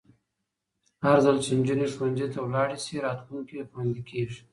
هرځل چې نجونې ښوونځي ته ولاړې شي، راتلونکی خوندي کېږي.